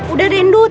udah deh ndu